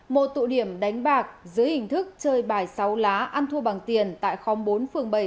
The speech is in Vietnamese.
một tụ điểm đánh bạc dưới hình thức chơi bài sáu lá ăn thua bằng tiền tại khóm bốn phường bảy